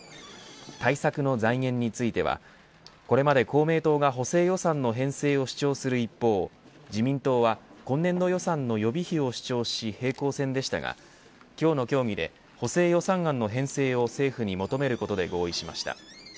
対策の財源についてはこれまで公明党が補正予算の編成を主張する一方自民党は今年度予算の予備費を主張し平行線でしたが、今日の協議で補正予算の編成を政府に求めることで合意しました。